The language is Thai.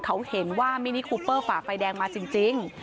เขาเห็นว่ามินิคูเปอร์ฝ่าไฟแดงมาจริง